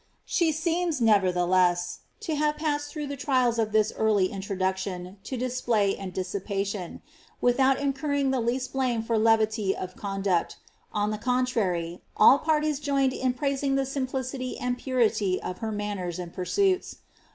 She ■eems, nevertheless, to have passed through the trials of this early intro doction to display and dissipation, without incurring the least blame for ferity of conduct; on the contrary, all parties joined in praising the nmi^city and purity of her manners and pursuits.